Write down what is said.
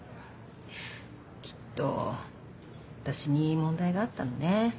きっと私に問題があったのね。